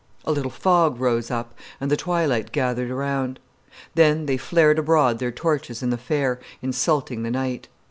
A little fog rose up, and the twilight gathered around. Then they flared abroad their torches in the fair, insulting the night.